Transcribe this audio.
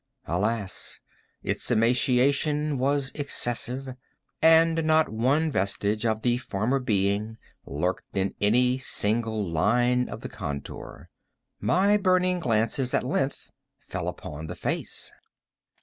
Alas! its emaciation was excessive, and not one vestige of the former being lurked in any single line of the contour. My burning glances at length fell upon the face.